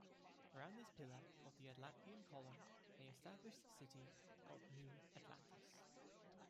Around this pillar, called the Atlantean column, they established a city called New Atlantis.